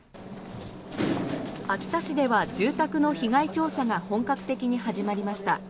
秋田市では住宅の被害調査が本格的に始まりました。